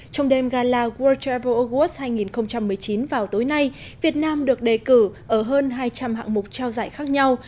trong đêm gala world travel awards hai nghìn một mươi chín vào tối nay việt nam được đề cử ở hơn hai trăm linh hạng mục trao giải khác nhau